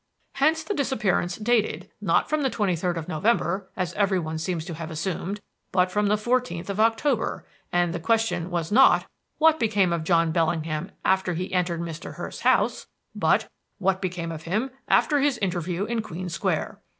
"Hence the disappearance dated, not from the twenty third of November, as every one seems to have assumed, but from the fourteenth of October; and the question was not, 'What became of John Bellingham after he entered Mr. Hurst's house?' but, 'What became of him after his interview in Queen Square?'